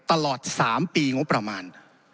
ตลอด๓ปีหรือประมาณ